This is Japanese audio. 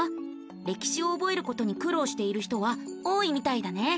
歴史を覚えることに苦労している人は多いみたいだね。